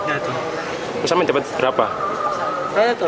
aha menjual korban dari media sosial